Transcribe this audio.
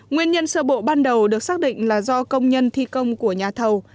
nguyên nhân sơ bộ ban đầu được xác định là do công nhân thi công của nhà thầu